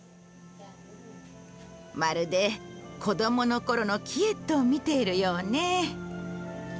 まるで子供の頃のキエットを見ているようね。